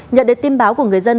nhận được tin báo của người dân